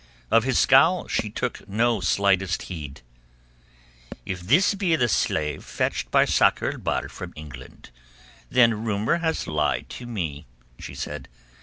Of his scowl she took no slightest heed. "If this be the slave fetched by Sakr el Bahr from England, then rumour has lied to me," she said.